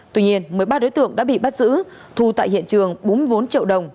tuy nhiên một mươi ba đối tượng đã bị bắt giữ thu tại hiện trường bốn mươi bốn triệu đồng